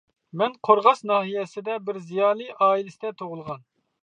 مەن قورغاس ناھىيەسىدە بىر زىيالىي ئائىلىسىدە تۇغۇلغان.